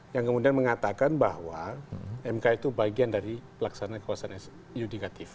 yang kemudian mengatakan bahwa mk itu bagian dari pelaksanaan kekuasaan yudikatif